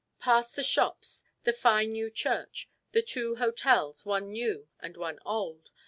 Past the shops, the fine new church, the two hotels, one new and one old.